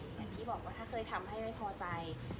อย่างที่บอกว่าถ้าเคยทำให้ไม่พอใจ